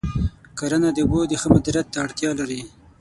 کرنه د اوبو د ښه مدیریت ته اړتیا لري.